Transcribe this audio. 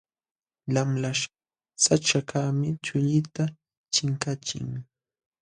Lamlaśh saćhakaqmi chullita chinkachin.